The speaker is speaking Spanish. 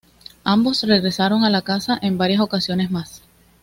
Ambos regresaron a la casa en varias ocasiones más.